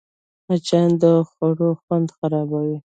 مچان د خوړو خوند خرابوي